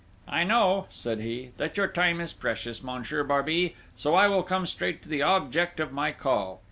"I know," said he, "that your time is precious, Monsieur Barbey, so I will come straight to the object of my call....